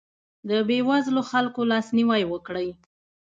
د بېوزلو خلکو لاسنیوی وکړئ.